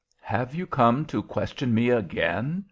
"Have you come to question me again?"